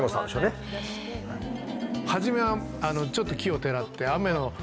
初めはちょっと奇をてらって。